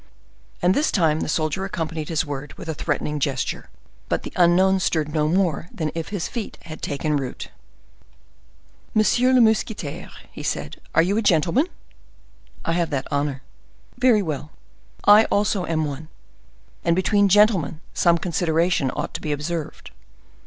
And this time the soldier accompanied his word with a threatening gesture; but the unknown stirred no more than if his feet had taken root. "Monsieur le mousquetaire," said he, "are you a gentleman?" "I have that honor." "Very well! I also am one; and between gentlemen some consideration ought to be observed."